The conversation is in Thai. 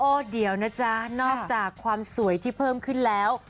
เดี๋ยวนะจ๊ะนอกจากความสวยที่เพิ่มขึ้นแล้ว